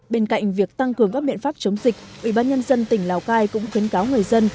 bên cạnh việc tăng cường các biện pháp chống dịch ubnd tỉnh lào cai cũng khuyến cáo người dân